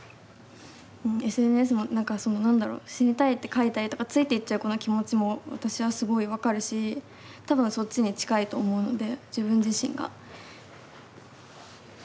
ＳＮＳもなんかその何だろ死にたいって書いたりとかついていっちゃう子の気持ちも私はすごい分かるし多分そっちに近いと思うので自分自身が。